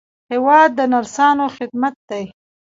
هېواد د نرسانو خدمت دی.